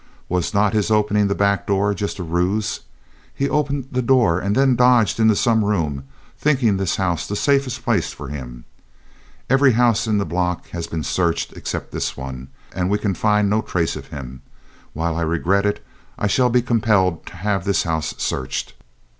Was not his opening the back door just a ruse? He opened the door and then dodged into some room, thinking this house the safest place for him. Every house in the block has been searched except this one, and we can find no trace of him. While I regret it, I shall be compelled to have this house searched."